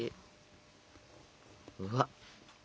うわっ。